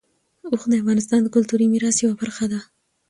اوښ د افغانستان د کلتوري میراث یوه برخه ده.